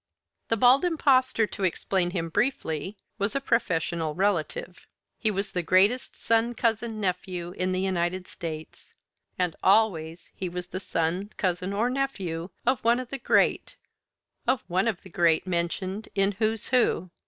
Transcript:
The Bald Impostor, to explain him briefly, was a professional relative. He was the greatest son cousin nephew in the United States, and always he was the son, cousin, or nephew of one of the great, of one of the great mentioned in "Who's Who."